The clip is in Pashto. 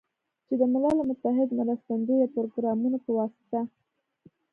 چې د ملل متحد مرستندویه پروګرامونو په واسطه